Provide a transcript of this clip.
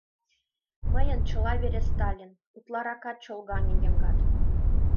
— Мыйын чыла вере — Сталин! — утларакат чолгаҥе Йыгнат.